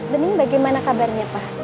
bening bagaimana kabarnya pak